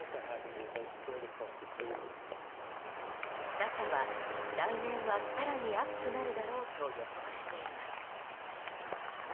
ＮＡＳＡは来年は更に暑くなるだろうと予測しています。